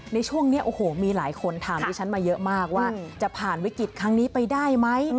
ในช่วงนี้โอ้โหมีหลายคนถามดิฉันมาเยอะมากว่าจะผ่านวิกฤตครั้งนี้ไปได้ไหม